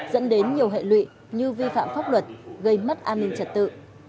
dẫn đến nhiều hệ lụy như vi phạm pháp luật gây mất an ninh trật tự